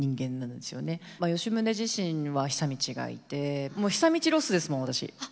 吉宗自身は久通がいてもう久通ロスですもん私。